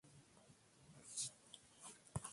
Leo tunaona ushahidi wa tisa kwa mara nyingine tena